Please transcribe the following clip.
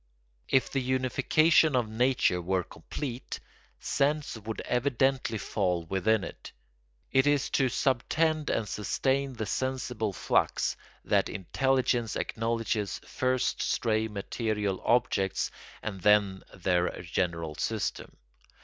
] If the unification of nature were complete sense would evidently fall within it; it is to subtend and sustain the sensible flux that intelligence acknowledges first stray material objects and then their general system.